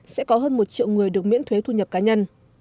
sẽ có hơn một triệu người được miễn thuế thu nhập cá nhân